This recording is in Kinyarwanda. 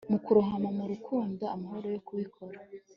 Mu kurohama mu rukundo amahano yo kubikora